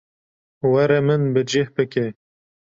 Were min bi cih bike.